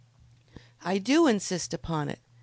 "I do insist upon it.